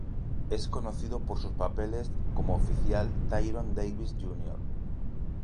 Es conocido por sus papeles como oficial, Tyrone Davis, Jr.